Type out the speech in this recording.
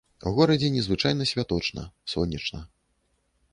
У горадзе незвычайна святочна, сонечна.